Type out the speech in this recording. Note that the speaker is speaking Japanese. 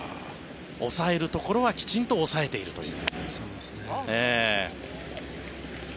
抑えるところはきちんと抑えているという。